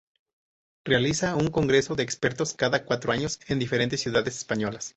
Realiza un congreso de expertos cada cuatro años en diferentes ciudades españolas.